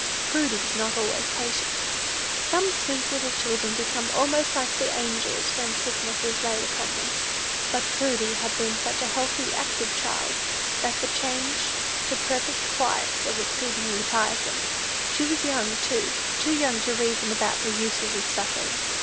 Prudy was not always patient. Some sweet little children become almost like the angels when sickness is laid upon them; but Prudy had been such a healthy, active child, that the change to perfect quiet was exceedingly tiresome. She was young, too, too young to reason about the uses of suffering.